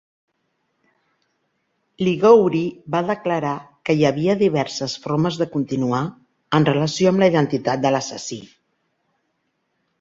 Ligouri va declarar que hi havia diverses formes de continuar, en relació amb la identitat de l"assassí.